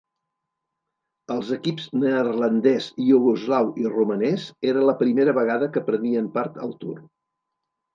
Els equips neerlandès, iugoslau i romanès era la primera vegada que prenien part al Tour.